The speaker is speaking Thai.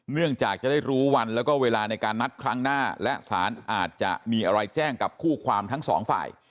จากจะได้รู้วันแล้วก็เวลาในการนัดครั้งหน้าและสารอาจจะมีอะไรแจ้งกับคู่ความทั้งสองฝ่าย